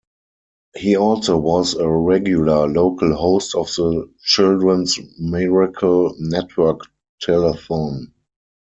He also was a regular local host of the Children's Miracle Network telethon.